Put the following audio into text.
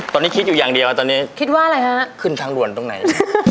ตอนนี้คิดอยู่อย่างเดียวตอนนี้คิดว่าอะไรฮะขึ้นทางด่วนตรงไหน